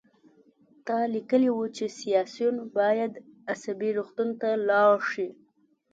تا لیکلي وو چې سیاسیون باید عصبي روغتون ته لاړ شي